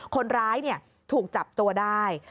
คนร้ายถูกจับตัวได้